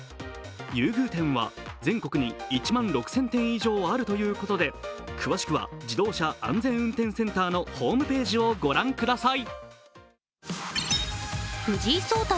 優遇店は全国に１万６０００店以上あるということで詳しくは自動車安全運転センターのホームページをご覧ください。